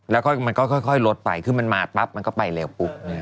แล้วก็มันก็ค่อยลดไปคือมันมาปั๊บมันก็ไปเร็วปุ๊บ